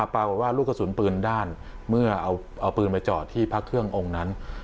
ปรากฏว่าลูกกระสุนปืนด้านเมื่อเอาปืนมาจอดที่พระเครื่ององค์นั้น